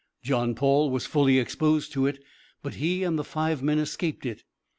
John Paul was fully exposed to it, but he and the five men escaped it.